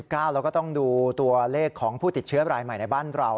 แล้วก็ต้องดูตัวเลขของผู้ติดเชื้อรายใหม่ในบ้านเรา